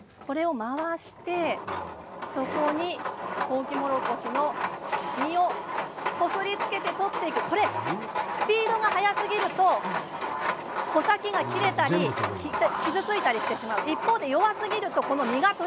これを回してそこにホウキモロコシの実をこすりつけて取っていくスピードが早すぎると穂先が傷ついたりしてしまう。